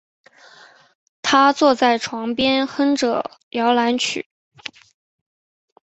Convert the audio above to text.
她坐在床边哼着摇篮曲